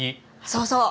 そうそう！